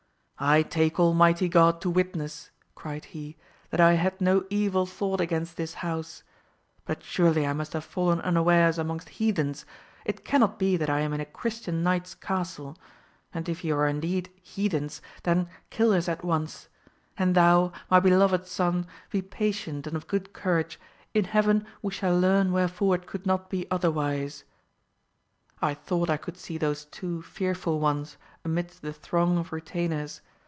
'I take Almighty God to witness,' cried he, 'that I had no evil thought against this house! But surely I must have fallen unawares amongst heathens; it cannot be that I am in a Christian knight's castle; and if you are indeed heathens, then kill us at once. And thou, my beloved son, be patient and of good courage; in heaven we shall learn wherefore it could not be otherwise.' I thought I could see those two fearful ones amidst the throng of retainers.